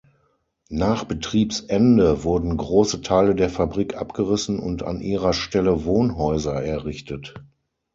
Nach Betriebsende wurden große Teile der Fabrik abgerissen und an ihrer Stelle Wohnhäuser errichtet.